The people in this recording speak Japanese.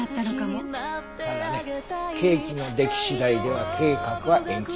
ただねケーキの出来次第では計画は延期。